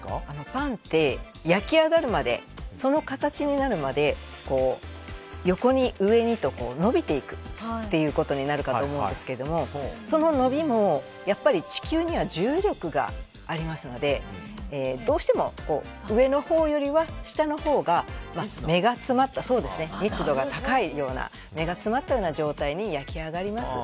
パンって、焼き上がるまでその形になるまで、横に、上にと伸びていくということになるかと思うんですけどその伸びも地球には重力がありますのでどうしても、上の方よりは下の方が目が詰まった、密度が高いような目が詰まったような状態に焼き上がります。